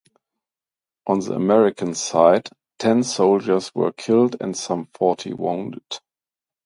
On the American side, ten soldiers were killed and some forty wounded.